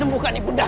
terima kasih raden